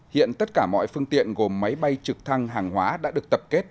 hiện tất cả mọi phương tiện gồm máy bay trực thăng hàng hóa đã được tập kết